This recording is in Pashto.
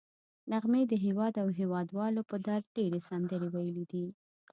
نغمې د هېواد او هېوادوالو په درد ډېرې سندرې ویلي دي